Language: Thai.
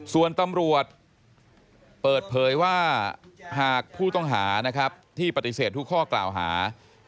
ส่วนตำรวจเปิดเผยว่าหากผู้ต้องหานะครับที่ปฏิเสธทุกข้อกล่าวหา